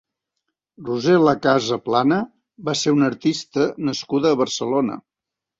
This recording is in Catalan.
Roser Lacasa Plana va ser una artista nascuda a Barcelona.